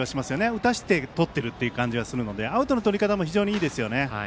打たしてとっている感じがするのでアウトのとり方も非常にいいですね。